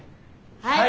はい！